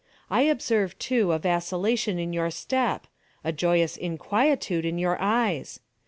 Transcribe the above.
I observe, too, a vacillation in your step—a joyous inquietude in your eyes.